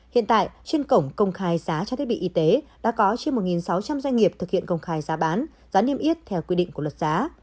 hiện tại trên cổng công khai giá cho thiết bị y tế đã có trên một sáu trăm linh doanh nghiệp thực hiện công khai giá bán giá niêm yết theo quy định của luật giá